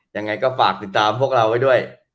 ยังไงก็ฝากติดตามพวกเราไว้ด้วย